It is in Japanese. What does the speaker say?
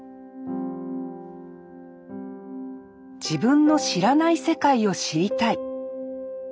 自分の知らない世界を知りたい。